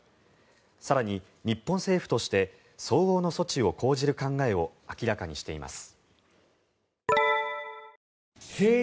更に、日本政府として相応の措置を講じる考えを明らかにしています。